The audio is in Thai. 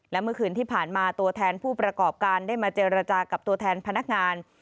และเมื่อคืนที่ผ่านมาตัวแทนผู้ประกอบการได้มาเจรจากับตัวแทนพนักงาน